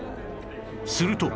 すると